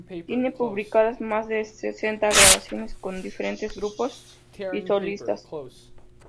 Tiene publicadas más de sesenta grabaciones con diferentes grupos y solistas.